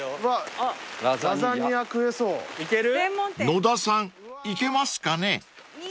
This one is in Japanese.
［野田さんいけますかね］